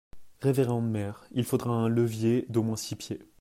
Révérende mère, il faudra un levier d'au moins six pieds.